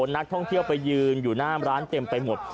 นักท่องเที่ยวไปยืนอยู่หน้าร้านเต็มไปหมด